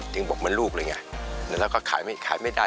จริงบอกมันลูกเลยไงแล้วเราก็ขายไม่ได้